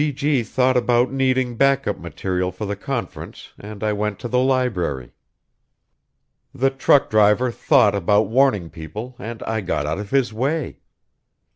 G.G. thought about needing backup material for the conference and I went to the library. The truck driver thought about warning people and I got out of his way.